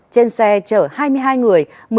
trên xe chở hai mươi hai người